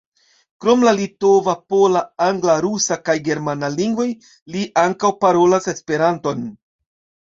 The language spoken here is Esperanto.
Krom la litova, pola, angla, rusa kaj germana lingvoj, li ankaŭ parolas Esperanton.